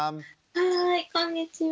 はいこんにちは。